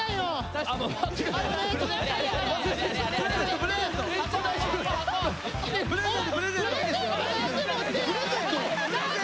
プレゼントプレゼント！